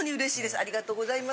ありがとうございます。